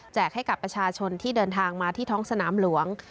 ให้กับประชาชนที่เดินทางมาที่ท้องสนามหลวง